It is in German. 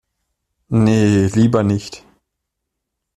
Nee, lieber nicht.